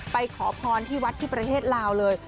ขอพรที่วัดที่ประเทศลาวเลย